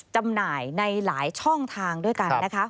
จำหน่ายในหลายช่องทางด้วยกันนะคะ